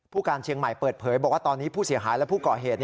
การเชียงใหม่เปิดเผยบอกว่าตอนนี้ผู้เสียหายและผู้ก่อเหตุ